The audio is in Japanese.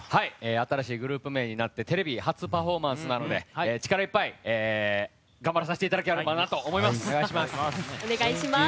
新しいグループ名になってテレビ初パフォーマンスなので力いっぱい頑張らさせていただければと思います。